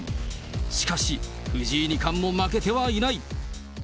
しかし、藤井二冠も負けてはいない。